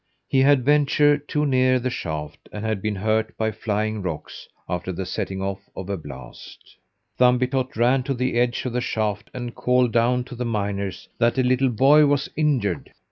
He had ventured too near the shaft and been hurt by flying rocks after the setting off of a blast. Thumbietot ran to the edge of the shaft and called down to the miners that a little boy was injured.